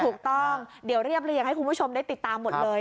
ถูกต้องเดี๋ยวเรียบเรียงให้คุณผู้ชมได้ติดตามหมดเลย